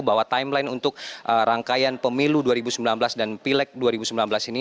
bahwa timeline untuk rangkaian pemilu dua ribu sembilan belas dan pileg dua ribu sembilan belas ini